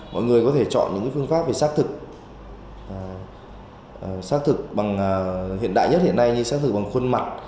mọi người có thể chọn những phương pháp về xác thực xác thực bằng hiện đại nhất hiện nay như xác thực bằng khuôn mặt